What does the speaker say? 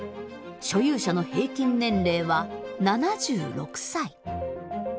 所有者の平均年齢は７６歳。